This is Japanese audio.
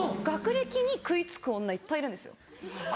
学歴に食い付く女いっぱいいるんですよ。